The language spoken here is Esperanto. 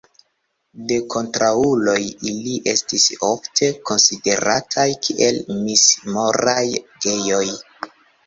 De kontraŭuloj ili estis ofte konsiderataj kiel mis-moraj gejoj.